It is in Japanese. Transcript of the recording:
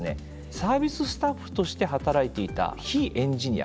サービススタッフとして働いていた非エンジニア。